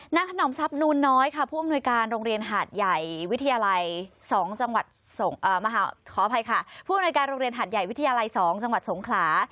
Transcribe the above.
นางทนซับนูนน้อยค่ะผู้อำนวยการโรงเรียนหาดใหญ่วิทยาลัยสองจังหวัดสงขรา